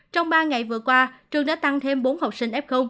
trong ba ngày vừa qua trường đã tăng thêm bốn học sinh f